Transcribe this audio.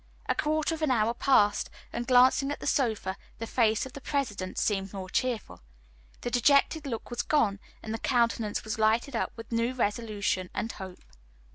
A quarter of an hour passed, and on glancing at the sofa the face of the President seemed more cheerful. The dejected look was gone, and the countenance was lighted up with new resolution and hope.